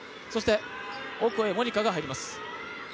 オコエ桃仁花が入ります。